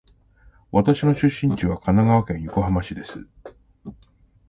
私の出身地は神奈川県横浜市です。